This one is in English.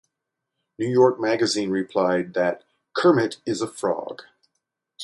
"New York" magazine replied that, "Kermit is a frog.